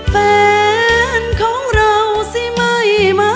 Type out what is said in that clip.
แฟนของเราสิไม่มา